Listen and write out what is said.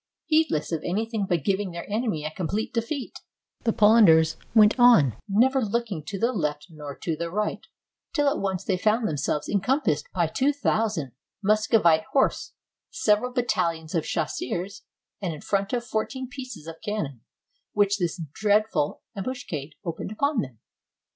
Heedless of anything but giving their enemy a complete defeat, the Polanders went on, never looking to the left nor to the right, till at once they found themselves encompassed by two thousand Muscovite horse, several battalions of chasseurs, and in front of fourteen pieces of cannon, which this dreadful ambus cade opened upon them.